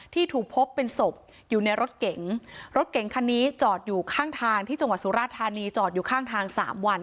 ที่ถูกพบเป็นศพอยู่ในรถเก๋งรถเก๋งคันนี้จอดอยู่ข้างทางที่จังหวัดสุราธานีจอดอยู่ข้างทางสามวัน